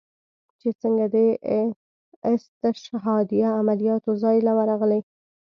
چې سنګه د استشهاديه عملياتو زاى له ورغلې.